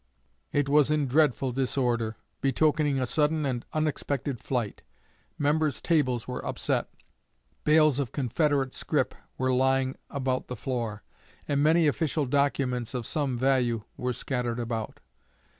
It was in dreadful disorder, betokening a sudden and unexpected flight; members' tables were upset, bales of Confederate scrip were lying about the floor, and many official documents of some value were scattered about.